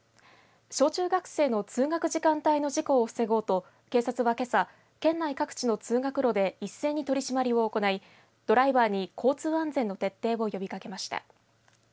小中学生の通学時間帯の事故を防ごうと警察はけさ、県内各地の通学路で一斉に取締りを行いドライバーに交通安全の徹底を呼びかけました。